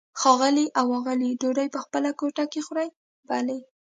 ښاغلی او آغلې ډوډۍ په خپله کوټه کې خوري؟ بلې.